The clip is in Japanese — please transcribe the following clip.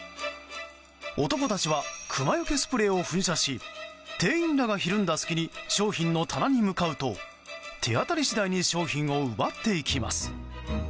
男たちはクマよけスプレーを噴射し店員らがひるんだ隙に商品の棚に向かうと手当たり次第に商品を奪っていきます。